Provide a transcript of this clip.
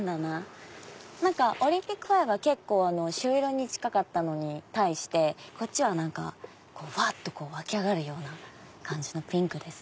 オリンピックファイヤーは朱色に近かったのに対してこっちはふわっと湧き上がるような感じのピンク。